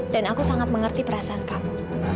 dan aku sangat mengerti perasaan kamu